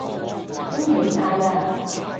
恭喜晒呀